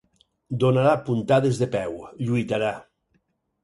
Donarà puntades de peu, lluitarà.